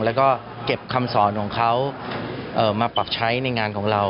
แล้วก็เก็บคำสอนของเขามาปรับใช้ในงานของเรา